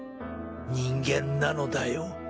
人間なのだよ